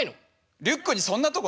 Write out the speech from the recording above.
リュックにそんなとこないわ。